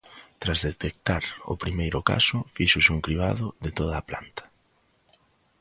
Tras detectar o primeiro caso fíxose un cribado de toda a planta.